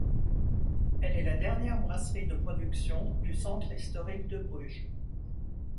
Elle est la dernière brasserie de production du centre historique de Bruges.